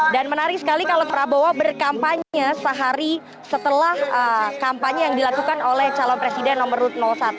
dan menarik sekali kalau prabowo berkampanye sehari setelah kampanye yang dilakukan oleh calon presiden nomor urut satu